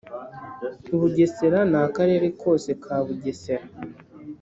Ubugesera Ni akarere kose ka Bugesera